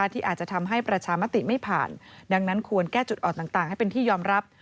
ที่อาจจะทำให้ประชามติไม่ผ่านดังนั้นควรแก้จุดอ่อนต่างให้เป็นที่ยอมรับ